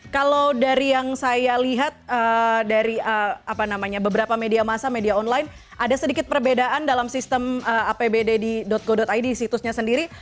kalau dari yang saya lihat dari beberapa media masa media online ada sedikit perbedaan dalam sistem apbd go id situsnya sendiri